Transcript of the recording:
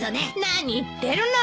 何言ってるの！